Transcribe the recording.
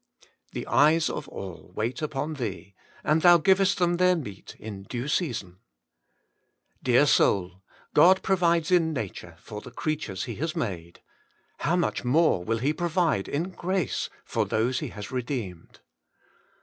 *The eyes of all wait upon Thee, and Then givest them their meat in due season.' Dear loul, God provides in Nature for the creatures He has made : how much more will He provide in Grace for those He has redeemed.